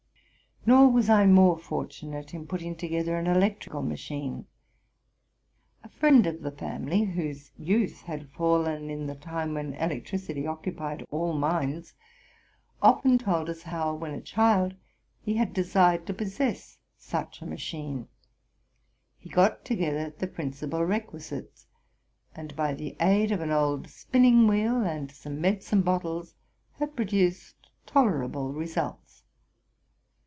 Nor was I more fortunate in putting together an electrical machine. A friend of the family, w hose youth had fallen in the time when electricity occupied all minds, often told us how, when a child, he had desired to possess such a machine : he got together the principal requisites, and, by the aid of an old | spinning wheel and some medicine bottles, had produced tolerable results.